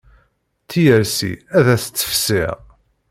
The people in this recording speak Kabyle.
Tiyersi ad as-tt-fsiɣ.